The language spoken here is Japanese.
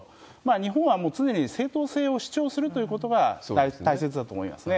日本はもう常に正当性を主張するということは大切だと思いますね。